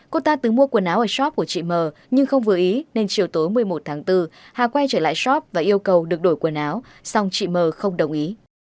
cô ta từng mua quần áo ở shop của chị mờ nhưng không vừa ý nên chiều tối một mươi một tháng bốn hà quay trở lại shop và yêu cầu được đổi quần áo song chị m không đồng ý